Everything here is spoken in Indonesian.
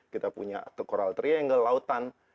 kita punya coral triangle lautan